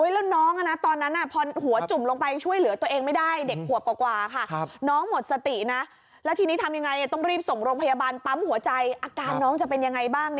แล้วน้องตอนนั้นพอหัวจุ่มลงไปช่วยเหลือตัวเองไม่ได้เด็กขวบกว่าค่ะน้องหมดสตินะแล้วทีนี้ทำยังไงต้องรีบส่งโรงพยาบาลปั๊มหัวใจอาการน้องจะเป็นยังไงบ้าง